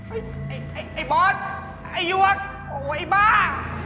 ไอ้ไอ้บอสไอ้ยวกโอ้ไอ้บ้า